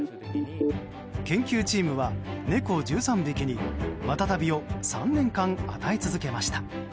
研究チームは猫１３匹にマタタビを３年間与え続けました。